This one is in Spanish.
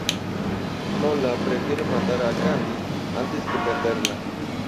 Nola prefiere matar a Candice antes que perderla.